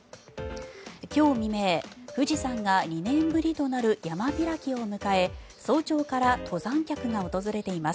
今日未明、富士山が２年ぶりとなる山開きを迎え早朝から登山客が訪れています。